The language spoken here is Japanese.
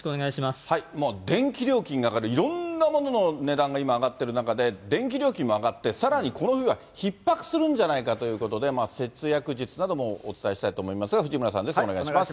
電気料金の中でいろんなものの値段が今上がってる中で、電気料金も上がって、さらにこの冬はひっ迫するんじゃないかということで、節約術などもお伝えしたいと思いますが、藤村さんです、お願いします。